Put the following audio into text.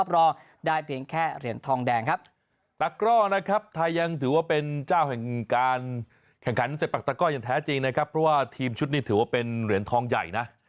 แล้วก็ยังแท้จริงนะครับเพราะว่าทีมชุดนี่ถือว่าเป็นเหรียญทองใหญ่นะ